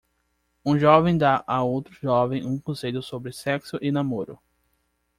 Um jovem dá a outro jovem um conselho sobre sexo e namoro.